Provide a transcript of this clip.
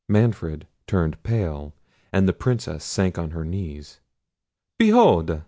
Manfred turned pale, and the Princess sank on her knees. "Behold!"